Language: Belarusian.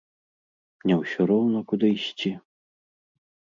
Не ўсё роўна куды ісці?